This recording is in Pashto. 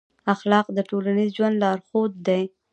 اخلاق د ټولنیز ژوند لارښود دی.